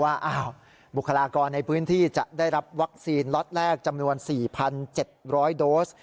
ว่าบุคลากรในพื้นที่จะได้รับวัคซีนล็อตแรกจำนวน๔๗๐๐โดส